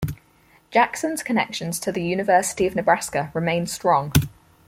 Jackson's connections to the University of Nebraska remain strong.